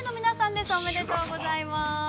ご当選おめでとうございます！